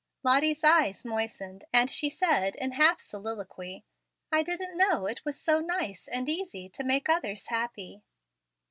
Lottie's eyes moistened, and she said in half soliloquy, "I didn't know it was so nice and easy to make others happy."